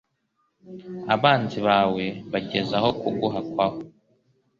Abanzi bawe bageze aho kuguhakwaho